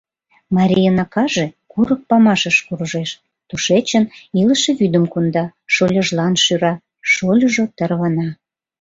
Марийын акаже курык памашыш куржеш, тушечын илыше вӱдым конда, шольыжлан шӱра, шольыжо тарвана.